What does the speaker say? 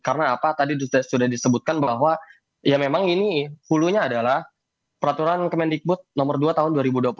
karena apa tadi sudah disebutkan bahwa ya memang ini hulunya adalah peraturan kemendikbud nomor dua tahun dua ribu dua puluh empat